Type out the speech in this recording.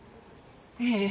ええ。